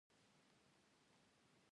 پۀ هر دهر به خوبان وي مونږ به نۀ يو